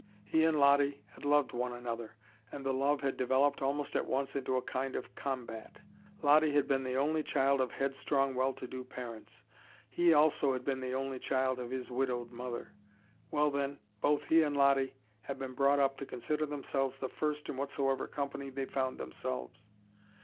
He and Lottie had loved one another. And the love had developed almost at once into a kind of combat. Lottie had been the only child of headstrong, well to do parents. He also had been the only child of his widowed mother. Well then, both he and Lottie had been brought up to consider themselves the first in whatsoever company they found themselves.